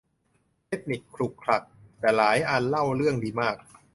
เทคนิคขลุกขลัก แต่หลายอันเล่าเรืองดีมาก